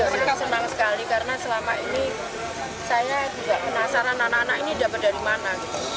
mereka senang sekali karena selama ini saya juga penasaran anak anak ini dapat dari mana